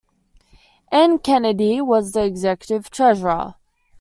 Anne Kennedy was the Executive Treasurer.